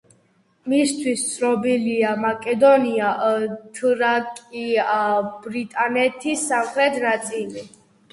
მისთვის ცნობილია მაკედონია, თრაკია, ბრიტანეთის სამხრეთ ნაწილი.